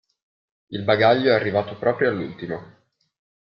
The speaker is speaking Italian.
Il bagaglio è arrivato proprio all'ultimo.